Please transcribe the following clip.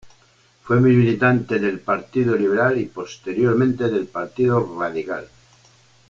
Fue militante del Partido Liberal y posteriormente del Partido Radical.